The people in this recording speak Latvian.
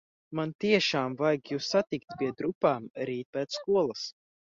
Man tiešām vajag jūs satikt pie drupām rīt pēc skolas.